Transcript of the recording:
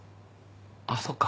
あっそうか。